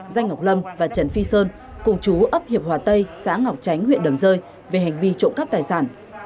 danh ngọc lâm và trần phi sơn cùng chú ấp hiệp hòa tây xã ngọc tránh huyện đầm rơi về hành vi trộm cắp tài sản